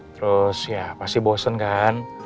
terus ya pasti bosen kan